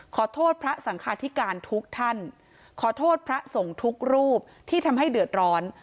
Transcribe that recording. ขอโทษพระสังคาธิการทุกท่านขอโทษพระสงฆ์ทุกรูปที่ทำให้เดือดร้อน